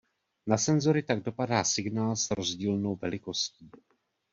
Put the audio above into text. Na senzory tak dopadá signál s rozdílnou velikostí.